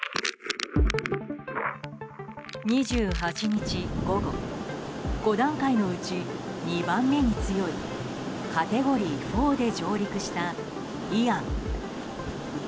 ２８日午後５段階のうち２番目に強いカテゴリー４で上陸したイアン。